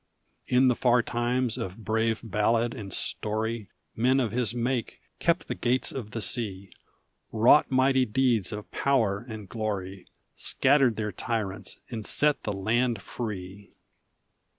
In the far times of brave ballad and story, Men of his make kept the gates of the sea, Wrought mighty deeds of power and glory, Scattered their tyrants, and set the land free!